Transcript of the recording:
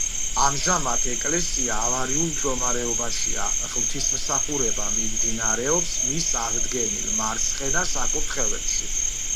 ამჟამად ეკლესია ავარიულ მდგომარეობაშია, ღვთისმსახურება მიმდინარეობს მის აღდგენილ მარცხენა საკურთხეველში.